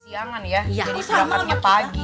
siangan ya jadi perangkatnya pagi